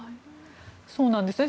そうなんですね。